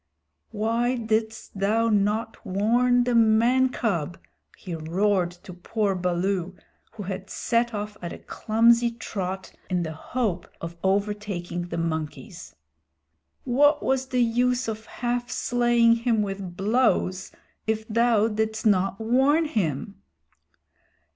"Why didst thou not warn the man cub?" he roared to poor Baloo, who had set off at a clumsy trot in the hope of overtaking the monkeys. "What was the use of half slaying him with blows if thou didst not warn him?"